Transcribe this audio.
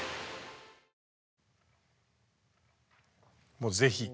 もう是非。